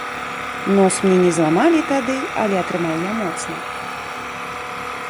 Нос мне не зламалі тады, але атрымаў я моцна.